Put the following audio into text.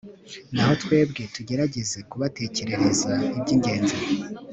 naho twebwe tugerageze kubatekerereza iby'ingenzi